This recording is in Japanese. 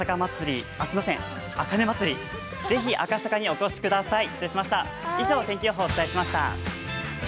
茜まつり、ぜひ赤坂にお越しください。